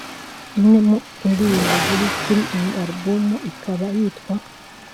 Imwe mu ndirimbo ziri kuri iyi Alubumu ikaba yitwa